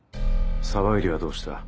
沢入はどうした？